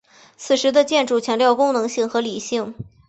此时的建筑强调功能性和理性。